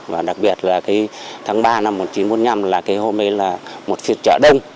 và đặc biệt là tháng ba năm một nghìn chín trăm bốn mươi năm là cái hôm ấy là một phiên trợ đông